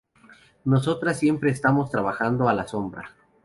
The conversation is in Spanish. Nosotras siempre estamos trabajando a la sombra.